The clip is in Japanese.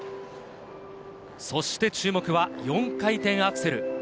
そして注目は４回転アクセル。